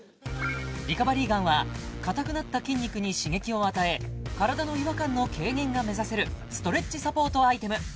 リカバリーガンは硬くなった筋肉に刺激を与え体の違和感の軽減が目指せるストレッチサポートアイテム